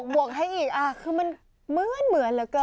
วกให้อีกคือมันเหมือนเหลือเกิน